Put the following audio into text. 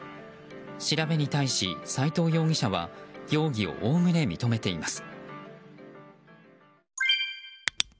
調べに対し、斉藤容疑者は容疑をおおむね認めています。